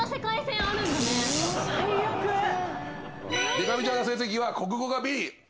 でか美ちゃんの成績は国語がビリ。